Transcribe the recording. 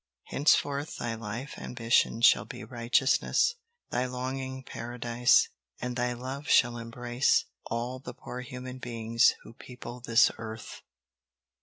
Henceforth thy life ambition shall be righteousness; thy longing, Paradise; and thy love shall embrace all the poor human beings who people this earth."